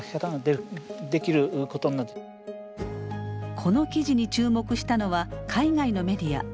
この記事に注目したのは海外のメディア。